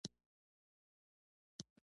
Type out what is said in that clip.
د اخروي دردناکه عذاب ګواښونه کوي.